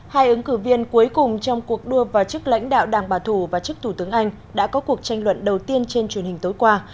hai ứng cử viên cuối cùng trong cuộc đua vào chức lãnh đạo đảng bà thủ và chức thủ tướng anh đã có cuộc tranh luận đầu tiên trên truyền hình tối qua